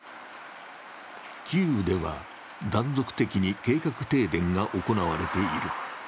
キーウでは断続的に計画停電が行われている。